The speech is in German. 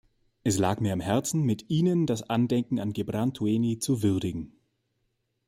Es lag mir am Herzen, mit Ihnen das Andenken an Gebran Tueni zu würdigen.